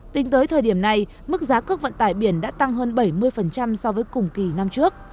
tính tới thời điểm này mức giá cước vận tải biển đã tăng hơn bảy mươi so với cùng kỳ năm trước